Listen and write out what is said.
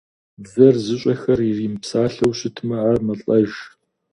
Бзэр зыщӀэхэр иримыпсалъэу щытмэ, ар мэлӀэж.